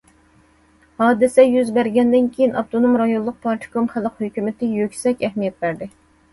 ھادىسە يۈز بەرگەندىن كېيىن، ئاپتونوم رايونلۇق پارتكوم، خەلق ھۆكۈمىتى يۈكسەك ئەھمىيەت بەردى.